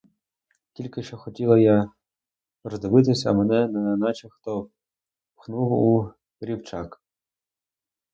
Тільки що хотіла я роздивитись, а мене неначе хто пхнув у рівчак.